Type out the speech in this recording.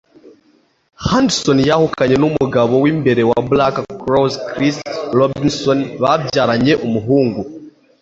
Hudson yahukanye n'umugabo w'imbere wa Black Crowes Chris Robinson babyaranye umuhungu.